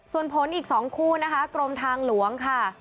ส่วนผลอีก๒คู่นะคะกรมทางหลวงค่ะ